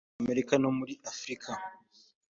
Amerika no muri Afurika